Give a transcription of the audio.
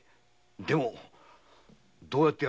でもどうやって？